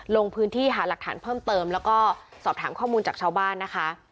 ลงพื้นที่หาหลักฐานเพิ่มเติมแล้วก็สอบถามข้อมูลจากชาวบ้านนะคะ